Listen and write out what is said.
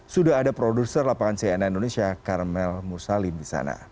sudah ada produser lapangan cnn indonesia carmel musalin di sana